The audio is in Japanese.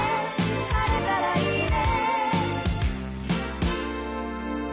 「晴れたらいいね」